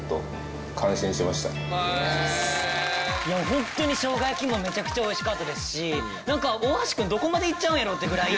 ホントに生姜焼きもめちゃくちゃおいしかったですしなんか大橋くんどこまでいっちゃうんやろってぐらい。